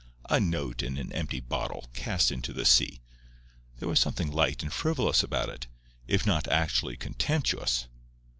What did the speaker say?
A note in an empty bottle, cast into the sea! There was something light and frivolous about it, if not actually contemptuous.